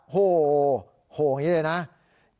โอ้โหโหอย่างนี้เลยนะ